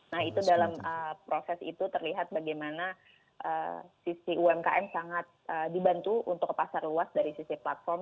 nah itu dalam proses itu terlihat bagaimana sisi umkm sangat dibantu untuk pasar luas dari sisi platform